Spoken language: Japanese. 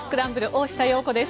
大下容子です。